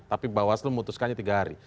tapi bawaslu memutuskannya tiga hari